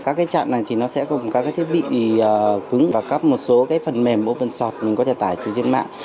các trạng này thì nó sẽ có các thiết bị cứng và các một số phần mềm open source mình có thể tải từ trên mạng